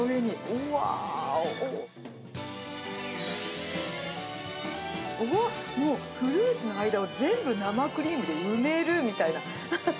うわー。おっ、もうフルーツの間を全部生クリームで埋めるみたいな。